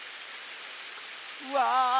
うわ！